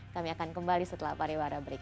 kami akan kembali setelah pariwara berikut